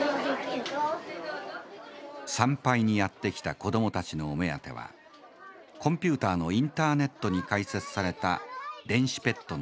参拝にやって来た子どもたちのお目当てはコンピューターのインターネットに開設された電子ペットのお墓でした。